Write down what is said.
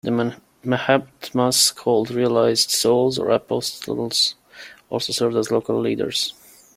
The Mahatmas, called "realised souls", or "apostles", also served as local leaders.